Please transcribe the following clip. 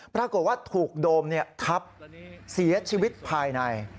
ปรากฏว่าถูกโดมทับเสียชีวิตภายใน